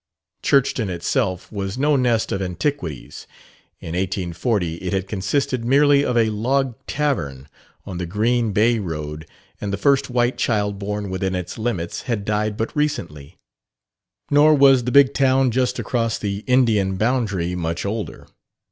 Churchton itself was no nest of antiquities; in 1840 it had consisted merely of a log tavern on the Green Bay road, and the first white child born within its limits had died but recently. Nor was the Big Town just across the "Indian Boundary" much older.